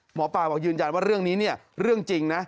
หมอปลาบอกยืนยันว่าเรื่องนี้เนี่ยเรื่องจริงนะ